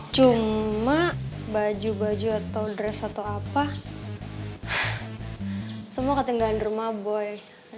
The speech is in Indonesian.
cuma baju baju atau dress atau apa semua ketinggalan rumah boy